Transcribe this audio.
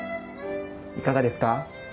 いかがですか？